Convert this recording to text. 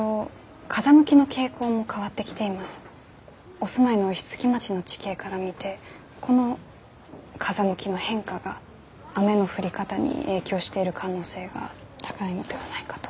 お住まいの石月町の地形から見てこの風向きの変化が雨の降り方に影響している可能性が高いのではないかと。